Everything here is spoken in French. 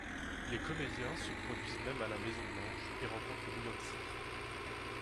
Les comédiens se produisent même à la Maison-Blanche et rencontrent Beyoncé.